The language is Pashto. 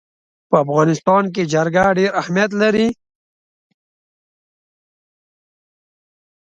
په افغانستان کې جلګه ډېر اهمیت لري.